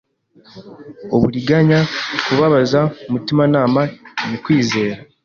Uburiganya kubabaza umutimanama ni kwizera